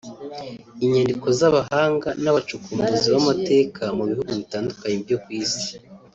Inyandiko z’Abahanga n’abacukumbuzi b’amateka mu bihugu bitandukanye byo ku Isi